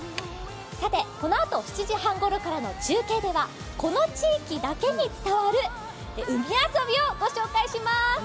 さて、このあと７時半ごろからの中継ではこの地域だけに伝わる海遊びをご紹介します。